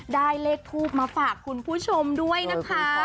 ได้เลขทูปมาฝากคุณผู้ชมด้วยนะคะ